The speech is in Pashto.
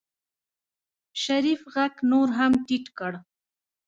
شريف غږ نور هم ټيټ کړ.